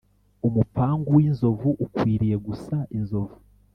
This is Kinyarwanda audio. umupangu w’inzovu ukwiriye gusa inzovu.